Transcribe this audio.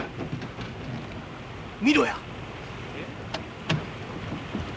見ろや。